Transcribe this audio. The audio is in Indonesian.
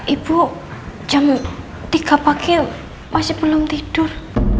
ibu jam tiga pagi masih belum tidur